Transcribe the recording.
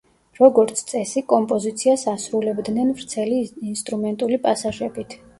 როგორც წესი, კომპოზიციას ასრულებდნენ ვრცელი ინსტრუმენტული პასაჟებით.